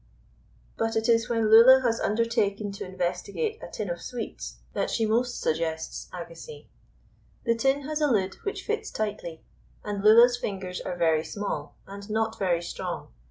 But it is when Lulla has undertaken to investigate a tin of sweets that she most suggests Agassiz. The tin has a lid which fits tightly, and Lulla's fingers are very small and not very strong.